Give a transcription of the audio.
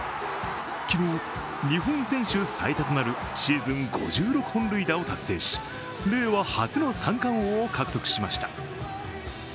昨日、日本選手最多となるシーズン５６本塁打を達成し令和初の三冠王を獲得しました。